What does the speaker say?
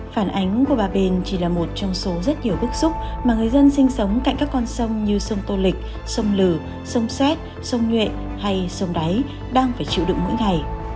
phản ánh của bà bền chỉ là một trong số rất nhiều bức xúc mà người dân sinh sống cạnh các con sông như sông tô lịch sông lừ sông xét sông nhuệ hay sông đáy đang phải chịu đựng mỗi ngày